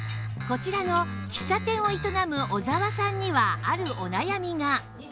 こちらの喫茶店を営む小澤さんにはあるお悩みが